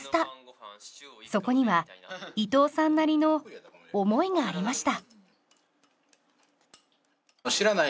そこには伊藤さんなりの思いがありました。